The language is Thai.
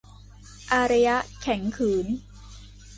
อารยะแข็งขืน